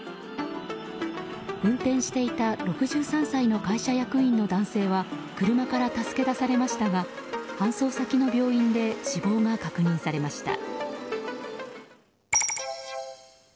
運転していた６３歳の会社役員の男性は車から助け出されましたが搬送先の病院で死亡が確認されました。